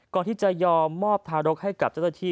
ก่อนที่จะยอมมอบทารกให้กับเจ้าหน้าที่